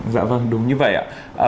dạ vâng đúng như vậy ạ